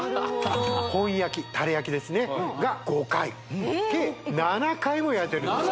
本焼きタレ焼きですねが５回計７回も焼いております